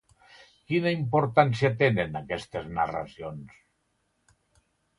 Quina importància tenen aquestes narracions?